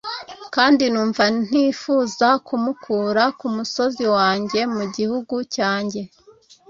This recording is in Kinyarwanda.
kandi numva ntifuza kumukura ku musozi wanjye, mu gihugu cyanjye!